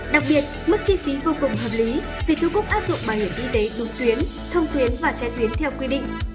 đặc biệt mức chi phí vô cùng hợp lý vì thu cúc áp dụng bảo hiểm y tế đúng tuyến thông tuyến và che tuyến theo quy định